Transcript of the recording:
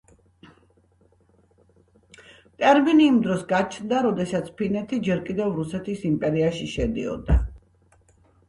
ტერმინი იმ დროს გაჩნდა, როდესაც ფინეთი ჯერ კიდევ რუსეთის იმპერიაში შედიოდა.